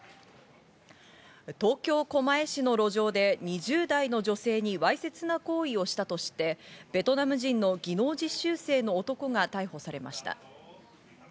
東京・狛江市の路上で２０代の女性にわいせつな行為をしたとして、ベトナム人の技能実習生の男が逮捕されました。